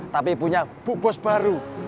tapi punya bu bos baru